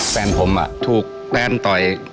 แฟนผมถูกแฟนต่อย